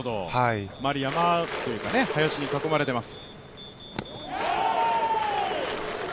周り山というか、林に囲まれています。